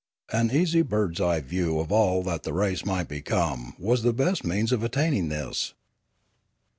An easy bird's eye view of all that the race might become was the best means of attaining this.